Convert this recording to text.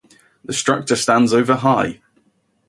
The structure stands over high.